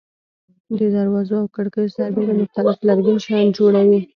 د دروازو او کړکیو سربېره مختلف لرګین شیان جوړوي.